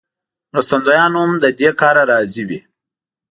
مرستندویان هم له دې کاره راضي وي.